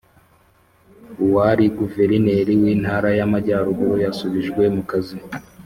Uwari Guverineli w’intara y’amajyaruguru yasubijwe mu kazi